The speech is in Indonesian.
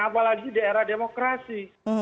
apalagi di era demokrasi